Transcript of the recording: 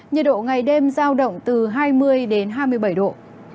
nhiệt độ ngày đêm giao động từ hai mươi đến hai mươi bảy độ